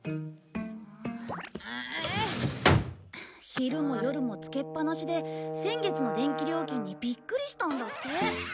昼も夜もつけっぱなしで先月の電気料金にビックリしたんだって。